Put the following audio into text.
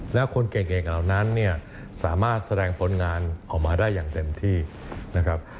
แล้วคนเก่งเหล่านั้นเนี่ยสามารถแสดงผลงานออกมาได้อย่างเต็มที่นะครับ